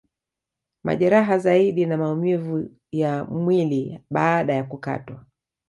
Majeraha zaidi na maumivu ya mwii baada ya kukatwa